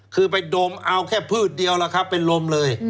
คือไปดมเอาแค่พืชเดียวเป็นลมเลย